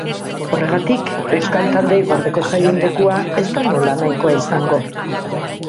Horregatik, euskal taldeei gordeko zaien lekua ez da nolanahikoa izango.